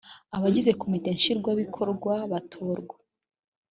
abagize komite nshingwabikorwa batorwa